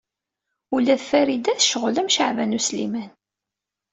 Ula d Farida tecɣel am Caɛban U Sliman.